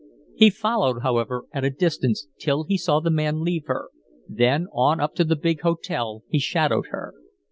He followed, however, at a distance, till he saw the man leave her, then on up to the big hotel he shadowed her.